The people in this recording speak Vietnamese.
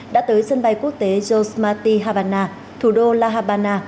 đã tới sân bay quốc tế josmati habana thủ đô la habana